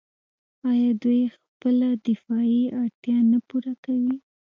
آیا دوی خپله دفاعي اړتیا نه پوره کوي؟